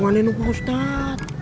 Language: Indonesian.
bukan ini opa ustad